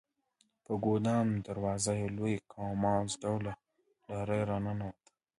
په ګدام د دروازه یو لوی کاماز ډوله لارۍ راننوته.